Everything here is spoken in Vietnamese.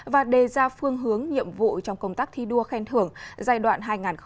và đề ra phương hướng nhiệm vụ trong công tác thi đua khen thưởng giai đoạn hai nghìn hai mươi hai nghìn hai mươi năm